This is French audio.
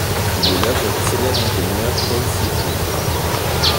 Il est l'œuvre du célèbre ingénieur Paul Séjourné.